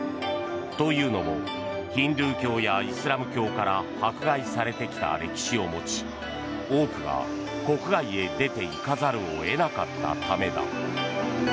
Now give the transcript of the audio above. というのもヒンドゥー教やイスラム教から迫害されてきた歴史を持ち多くが国外へ出て行かざるを得なかったためだ。